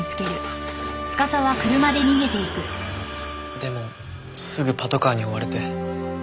でもすぐパトカーに追われて。